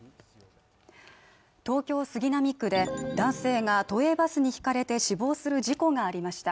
東京・杉並区で男性が都営バスにひかれて死亡する事故がありました。